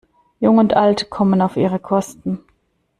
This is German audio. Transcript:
Jung und Alt kommen auf ihre Kosten.